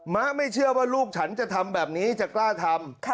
ะไม่เชื่อว่าลูกฉันจะทำแบบนี้จะกล้าทำ